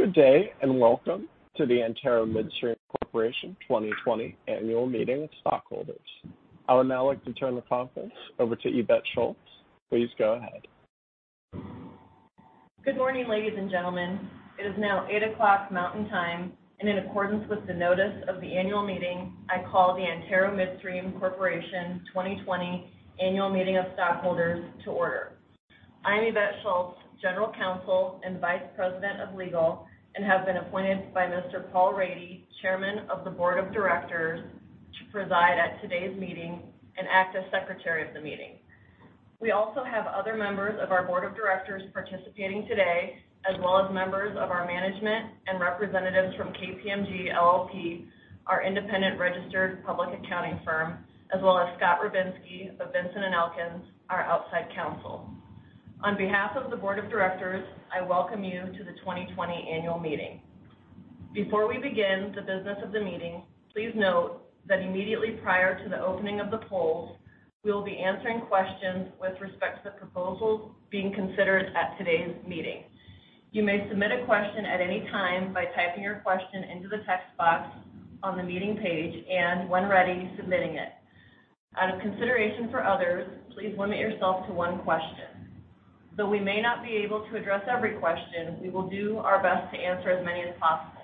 Good day, welcome to the Antero Midstream Corporation 2020 Annual Meeting of Stockholders. I would now like to turn the conference over to Yvette Schultz. Please go ahead. Good morning, ladies and gentlemen. It is now eight o'clock Mountain Time, in accordance with the notice of the annual meeting, I call the Antero Midstream Corporation 2020 Annual Meeting of Stockholders to order. I am Yvette Schultz, General Counsel and Vice President of Legal, have been appointed by Mr. Paul Rady, Chairman of the Board of Directors, to preside at today's meeting and act as Secretary of the meeting. We also have other members of our Board of Directors participating today, as well as members of our management and representatives from KPMG LLP, our independent registered public accounting firm, as well as Scott Rubinsky of Vinson & Elkins, our outside counsel. On behalf of the Board of Directors, I welcome you to the 2020 annual meeting. Before we begin the business of the meeting, please note that immediately prior to the opening of the polls, we will be answering questions with respect to the proposals being considered at today's meeting. You may submit a question at any time by typing your question into the text box on the meeting page and, when ready, submitting it. Out of consideration for others, please limit yourself to one question. Though we may not be able to address every question, we will do our best to answer as many as possible.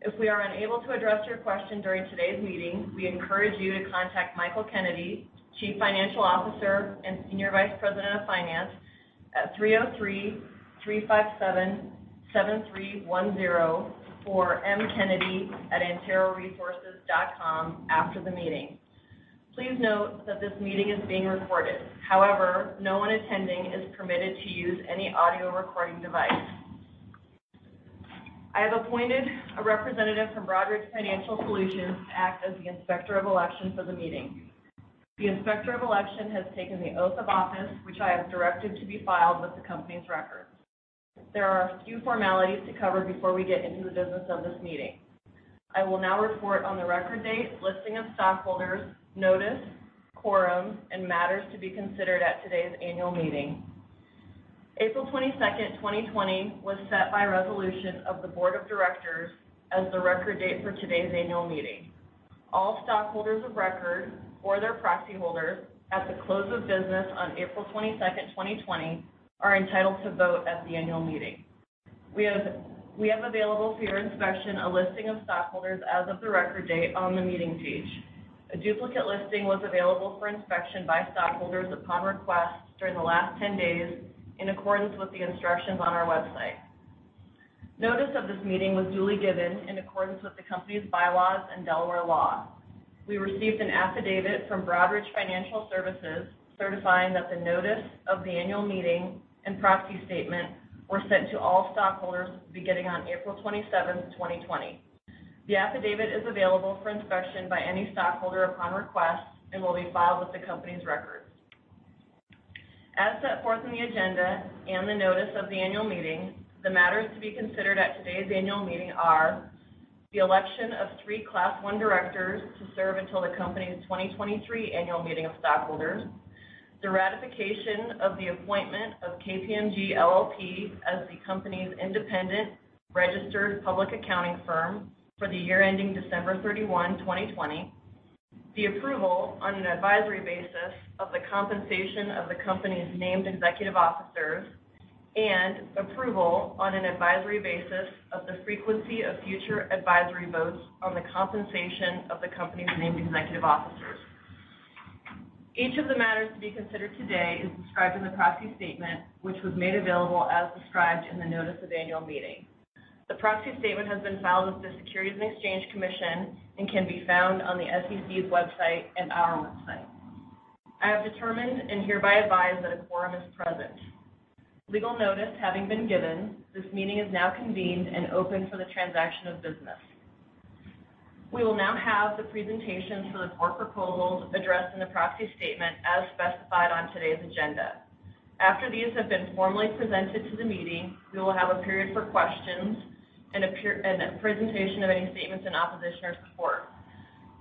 If we are unable to address your question during today's meeting, we encourage you to contact Michael Kennedy, Chief Financial Officer and Senior Vice President of Finance, at 303-357-7310 or mkennedy@anteroresources.com after the meeting. Please note that this meeting is being recorded. However, no one attending is permitted to use any audio recording device. I have appointed a representative from Broadridge Financial Solutions to act as the Inspector of Election for the meeting. The Inspector of Election has taken the oath of office, which I have directed to be filed with the company's records. There are a few formalities to cover before we get into the business of this meeting. I will now report on the record date, listing of stockholders, notice, quorum, matters to be considered at today's annual meeting. April 22nd, 2020, was set by resolution of the Board of Directors as the record date for today's annual meeting. All stockholders of record, or their proxy holders, at the close of business on April 22nd, 2020, are entitled to vote at the annual meeting. We have available for your inspection a listing of stockholders as of the record date on the meeting page. A duplicate listing was available for inspection by stockholders upon request during the last 10 days in accordance with the instructions on our website. Notice of this meeting was duly given in accordance with the company's bylaws and Delaware law. We received an affidavit from Broadridge Financial Solutions certifying that the notice of the annual meeting and proxy statement were sent to all stockholders beginning on April 27th, 2020. The affidavit is available for inspection by any stockholder upon request and will be filed with the company's records. As set forth in the agenda and the notice of the annual meeting, the matters to be considered at today's annual meeting are the election of three Class I directors to serve until the company's 2023 Annual Meeting of Stockholders, the ratification of the appointment of KPMG LLP as the company's independent registered public accounting firm for the year ending December 31, 2020, the approval on an advisory basis of the compensation of the company's named executive officers, and approval on an advisory basis of the frequency of future advisory votes on the compensation of the company's named executive officers. Each of the matters to be considered today is described in the proxy statement, which was made available as described in the notice of annual meeting. The proxy statement has been filed with the Securities and Exchange Commission and can be found on the SEC's website and our website. I have determined and hereby advise that a quorum is present. Legal notice having been given, this meeting is now convened and open for the transaction of business. We will now have the presentations for the four proposals addressed in the proxy statement as specified on today's agenda. After these have been formally presented to the meeting, we will have a period for questions and a presentation of any statements in opposition or support.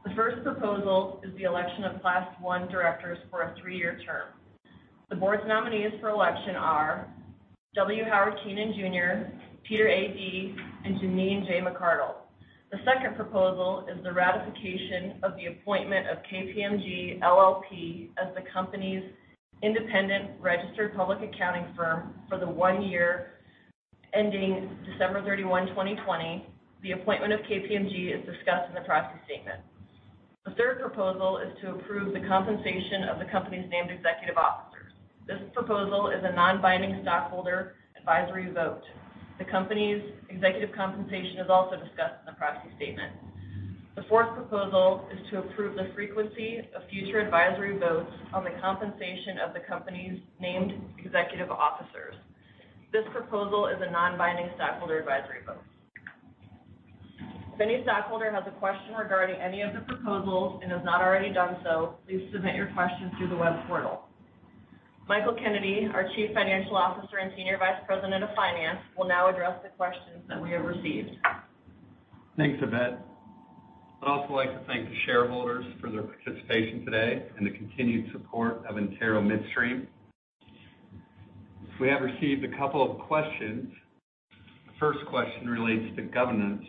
The first proposal is the election of Class I directors for a three-year term. The board's nominees for election are W. Howard Keenan Jr., Peter A. Dea, and Janine J. McArdle. The second proposal is the ratification of the appointment of KPMG LLP as the company's independent registered public accounting firm for the one year ending December 31, 2020. The appointment of KPMG is discussed in the proxy statement. The third proposal is to approve the compensation of the company's named executive officers. This proposal is a non-binding stockholder advisory vote. The company's executive compensation is also discussed in the proxy statement. The fourth proposal is to approve the frequency of future advisory votes on the compensation of the company's named executive officers. This proposal is a non-binding stockholder advisory vote. If any stockholder has a question regarding any of the proposals and has not already done so, please submit your questions through the web portal. Michael Kennedy, our Chief Financial Officer and Senior Vice President of Finance, will now address the questions that we have received. Thanks, Yvette. I'd also like to thank the shareholders for their participation today and the continued support of Antero Midstream. We have received a couple of questions. The first question relates to governance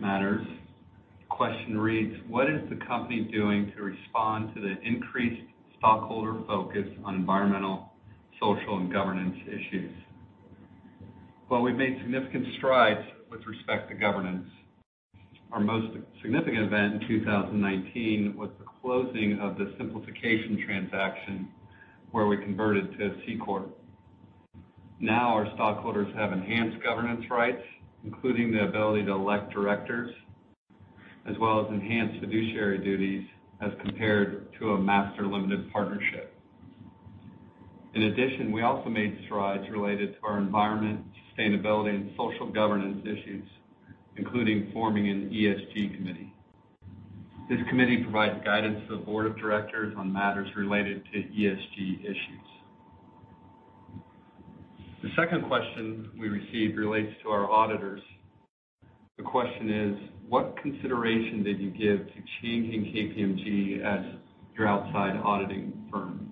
matters. The question reads: "What is the company doing to respond to the increased stockholder focus on environmental, social, and governance issues?" Well, we've made significant strides with respect to governance. Our most significant event in 2019 was the closing of the simplification transaction, where we converted to a C corp. Our stockholders have enhanced governance rights, including the ability to elect directors, as well as enhanced fiduciary duties as compared to a master limited partnership. In addition, we also made strides related to our environment, sustainability, and social governance issues, including forming an ESG committee. This committee provides guidance to the board of directors on matters related to ESG issues. The second question we received relates to our auditors. The question is: "What consideration did you give to changing KPMG as your outside auditing firm?"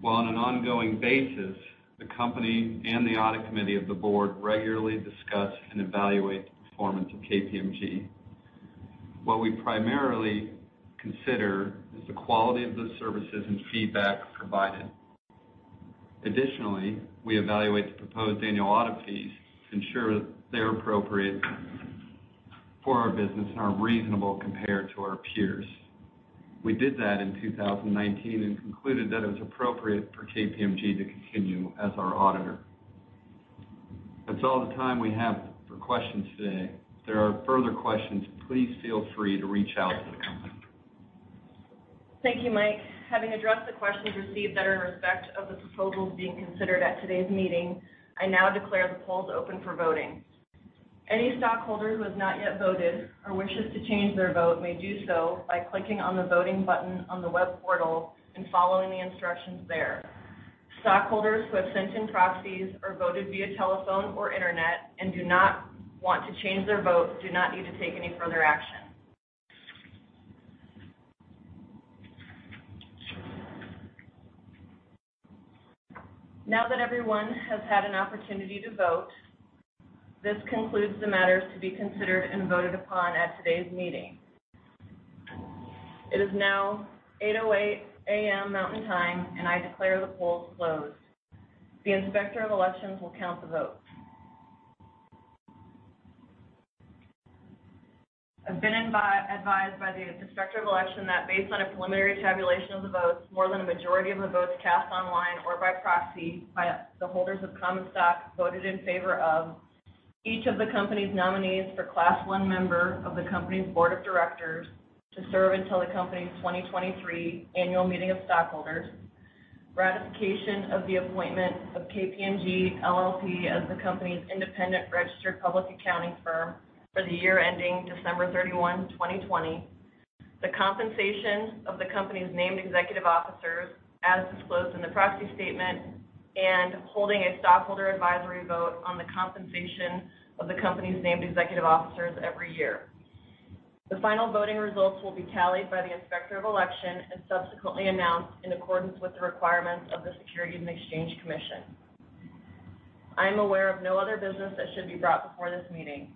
Well, on an ongoing basis, the company and the audit committee of the board regularly discuss and evaluate the performance of KPMG. What we primarily consider is the quality of the services and feedback provided. Additionally, we evaluate the proposed annual audit fees to ensure that they're appropriate for our business and are reasonable compared to our peers. We did that in 2019 and concluded that it was appropriate for KPMG to continue as our auditor. That's all the time we have for questions today. If there are further questions, please feel free to reach out to the company. Thank you, Mike. Having addressed the questions received that are in respect of the proposals being considered at today's meeting, I now declare the polls open for voting. Any stockholder who has not yet voted or wishes to change their vote may do so by clicking on the voting button on the web portal and following the instructions there. Stockholders who have sent in proxies or voted via telephone or internet and do not want to change their vote do not need to take any further action. Now that everyone has had an opportunity to vote, this concludes the matters to be considered and voted upon at today's meeting. It is now 8:00 A.M. Mountain Time, and I declare the polls closed. The Inspector of Elections will count the votes. I've been advised by the Inspector of Election that based on a preliminary tabulation of the votes, more than a majority of the votes cast online or by proxy by the holders of common stock voted in favor of each of the company's nominees for Class I member of the company's board of directors to serve until the company's 2023 annual meeting of stockholders, ratification of the appointment of KPMG LLP as the company's independent registered public accounting firm for the year ending December 31, 2020, the compensation of the company's named executive officers as disclosed in the proxy statement, and holding a stockholder advisory vote on the compensation of the company's named executive officers every year. The final voting results will be tallied by the Inspector of Election and subsequently announced in accordance with the requirements of the Securities and Exchange Commission. I'm aware of no other business that should be brought before this meeting.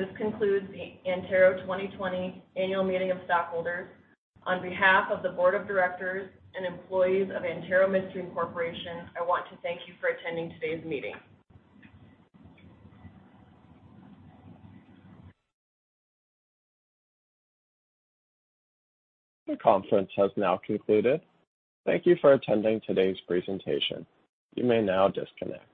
This concludes the Antero 2020 Annual Meeting of Stockholders. On behalf of the Board of Directors and employees of Antero Midstream Corporation, I want to thank you for attending today's meeting. The conference has now concluded. Thank you for attending today's presentation. You may now disconnect.